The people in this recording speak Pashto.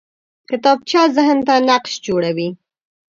کتابچه ذهن ته نقش جوړوي